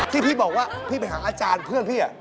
ที่พี่บอกว่าพี่ไปหาอาจารย์เพื่อนพี่